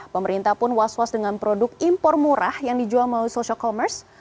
pemerintah pun was was dengan produk impor murah yang dijual melalui social commerce